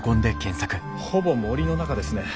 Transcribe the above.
ほぼ森の中ですね。